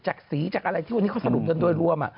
จากสีจากอะไรที่วันนี้เขาสรุปกันโดยรวม